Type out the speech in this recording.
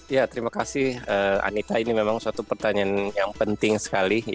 ya terima kasih anita ini memang suatu pertanyaan yang penting sekali